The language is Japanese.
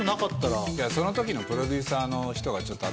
いやそのときのプロデューサーの人がちょっと頭